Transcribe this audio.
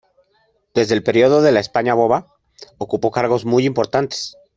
Desde el período de la España Boba, ocupó cargos muy importantes.